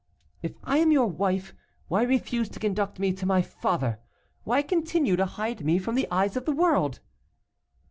"If I am your wife, why refuse to conduct me to my father? Why continue to hide me from the eyes of the world?"